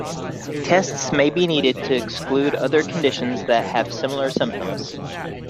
Tests may be needed to exclude other conditions that have similar symptoms.